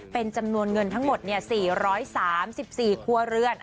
เป็นจำนวนเงินทั้งหมด๔๓๔ครัวเรือน